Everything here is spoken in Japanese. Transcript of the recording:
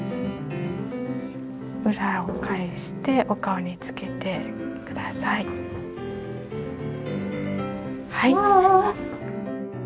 裏を返してお顔につけてください。